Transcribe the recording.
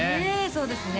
そうですね